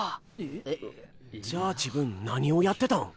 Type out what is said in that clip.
じゃあ自分何をやってたん？